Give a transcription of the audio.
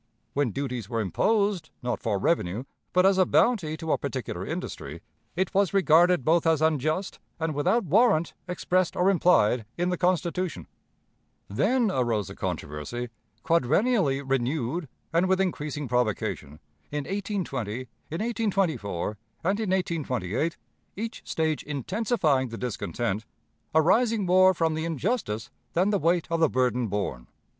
When duties were imposed, not for revenue, but as a bounty to a particular industry, it was regarded both as unjust and without warrant, expressed or implied, in the Constitution. Then arose the controversy, quadrennially renewed and with increasing provocation, in 1820, in 1824, and in 1828 each stage intensifying the discontent, arising more from the injustice than the weight of the burden borne.